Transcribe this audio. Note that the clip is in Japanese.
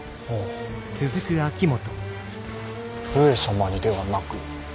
上様にではなく。